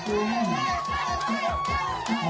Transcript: ขขอวังและแนะกลับ